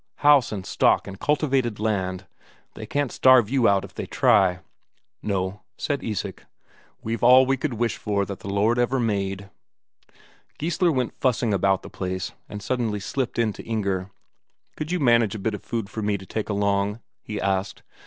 House and stock and cultivated land they can't starve you out if they try!" "No," said Isak. "We've all we could wish for that the Lord ever made." Geissler went fussing about the place, and suddenly slipped in to Inger. "Could you manage a bit of food for me to take along again?" he asked.